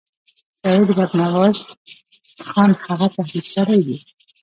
شاید رب نواز خان هغه تهدید کړی وي.